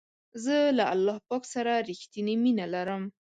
زه له الله پاک سره رښتنی مینه لرم.